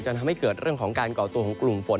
ทำให้เกิดเรื่องของการก่อตัวของกลุ่มฝน